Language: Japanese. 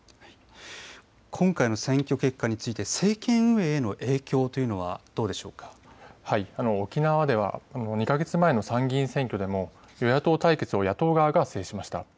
今回の選挙結果について、政権運営への影響というのはどうでし沖縄では、２か月前の参議院選挙でも与野党対決を野党側が制しました。